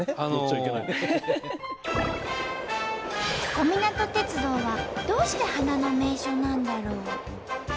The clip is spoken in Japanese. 小湊鉄道はどうして花の名所なんだろう？